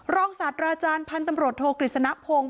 ศาสตราจารย์พันธุ์ตำรวจโทกฤษณพงศ์